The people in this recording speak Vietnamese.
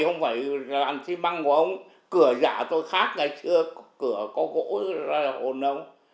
không phải là anh xe băng của ông cửa dạ tôi khác ngày xưa cửa có gỗ ra là ồn ông